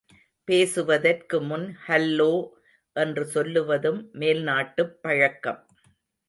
பேசுவதற்கு முன் ஹல்லோ என்று சொல்லுவதும் மேல் நாட்டுப் பழக்கம்.